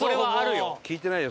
聞いてないよ